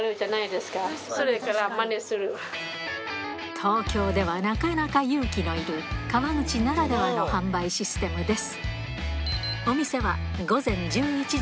東京ではなかなか勇気のいる川口ならではの販売システムです